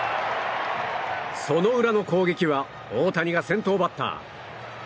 その裏の攻撃は大谷が先頭バッター。